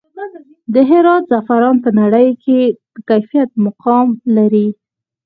د هرات زعفران په نړۍ کې د کیفیت مقام لري